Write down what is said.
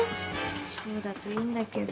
そうだといいんだけど。